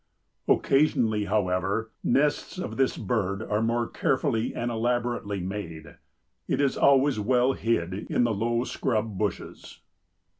Occasionally, however, nests of this bird are more carefully and elaborately made. It is always well hid in the low scrub bushes."